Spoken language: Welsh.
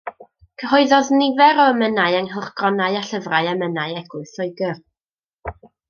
Cyhoeddodd nifer o emynau yng nghylchgronau a llyfrau emynau Eglwys Lloegr.